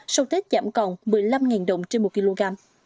sau tết giảm còn một mươi năm đồng trên một kg